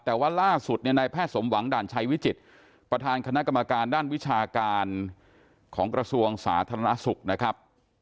แต่ว่าล่าสุดเนี่ยนายแพทย์สมหวังด่านชัยวิจิตรประธานคณะกรรมการด้านวิชาการของกระทรวงสาธารณสุขนะครับ